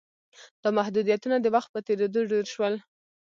دا محدودیتونه د وخت په تېرېدو ډېر شول